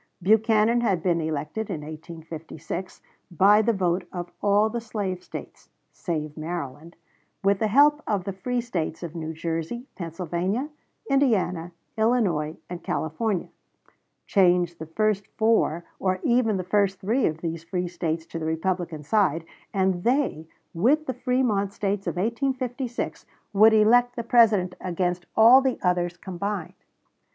Buchanan had been elected in 1856 by the vote of all the slave States (save Maryland), with the help of the free States of New Jersey, Pennsylvania, Indiana, Illinois, and California, Change the first four or even the first three of these free States to the Republican side, and they, with the Frémont States of 1856, would elect the President against all the others combined.